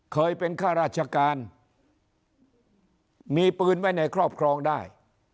เคยเป็นข้าราชการมีปืนไว้ในครอบครองได้